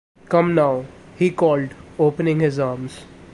“Come now,” he called, opening his arms.